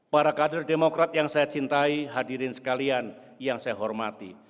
para kader demokrat yang saya cintai hadirin sekalian yang saya hormati